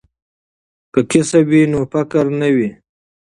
که کسب وي نو فقر نه وي.